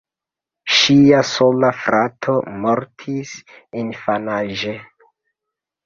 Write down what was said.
Ŝia sola frato mortis infanaĝe.